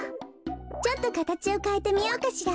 ちょっとかたちをかえてみようかしら。